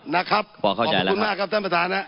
นะครับขอเข้าใจแล้วขอบคุณมากครับท่านประธานน่ะ